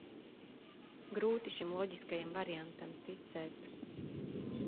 Grūti šim loģiskajam variantam ticēt.